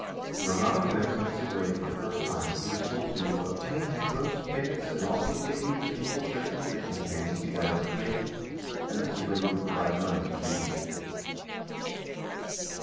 When Robert Benz met Segretti for the first time, he was told "to obtain hecklers, pickets, and also to get people to infiltrate into the campaigns, to gather information," and that Segretti would provide money to pay these people.